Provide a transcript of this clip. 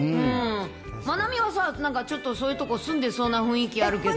マナミはさ、なんかちょっとそういうとこ住んでそうな雰囲気あるけど。